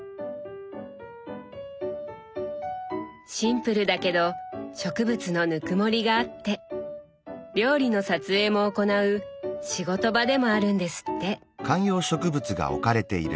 シンプルだけど植物のぬくもりがあって料理の撮影も行う仕事場でもあるんですって。